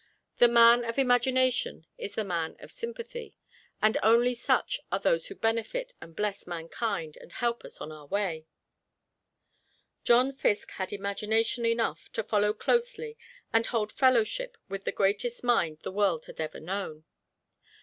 The man of imagination is the man of sympathy, and only such are those who benefit and bless mankind and help us on our way. John Fiske had imagination enough to follow closely and hold fellowship with the greatest minds the world has ever known.